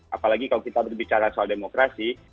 apalagi kalau kita berbicara soal demokrasi